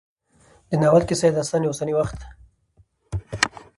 د ناول کيسه يا داستان د اوسني وخت